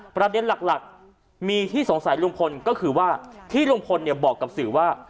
ประเด็นหลักมีที่สงสัยลุงพลก็คือว่าที่ลุงพลบอกกับสื่อว่า